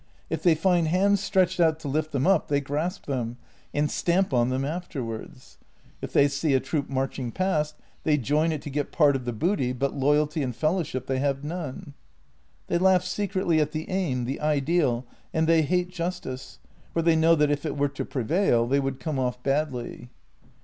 If they find hands stretched out to lift them up, they grasp them — and stamp on them afterwards. If they see a troop marching past, they join it to get part of the booty, but loyalty and fellowship they have none. They laugh secretly at the aim, the ideal, and they hate justice, for they know that if it w 7 ere to prevail they would come off badly.